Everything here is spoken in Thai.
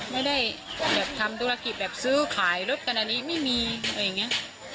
ไม่ได้แบบทำธุรกิจแบบซื้อขายรถกันอันนี้ไม่มีอะไรอย่างนี้